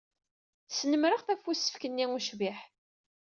Snemmreɣ-t ɣef usefk-nni ucbiḥ.